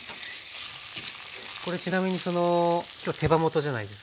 これちなみにその今日手羽元じゃないですか。